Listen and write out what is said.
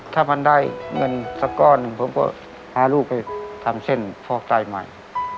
ถ้ามันได้เงินสักก้อนหนึ่งผมก็พาลูกไปทำเส้นฟอกไตใหม่